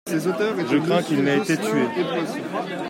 Je crains qu'il n'ait été tué.